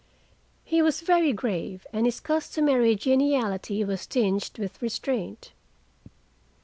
He was very grave, and his customary geniality was tinged with restraint.